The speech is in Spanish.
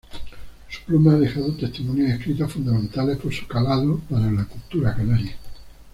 Su pluma ha dejado testimonios escritos fundamentales, por su calado, para la cultura canaria.